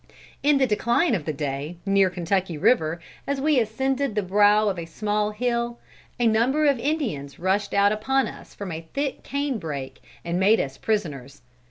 "In the decline of the day, near Kentucky river, as we ascended the brow of a small hill, a number of Indians rushed out upon us from a thick canebrake and made us prisoners.